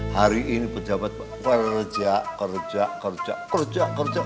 hari ini pejabat pekerja kerja kerja kerja kerja